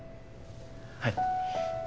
はい。